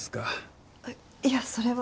えっいやそれは。